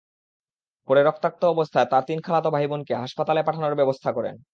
পরে রক্তাক্ত অবস্থায় তাঁর তিন খালাতো ভাইবোনকে হাসপাতালে পাঠানোর ব্যবস্থা করেন।